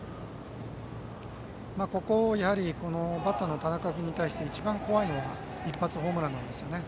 ここ、バッターの田中君に対して一番怖いのは一発ホームランなんですよね。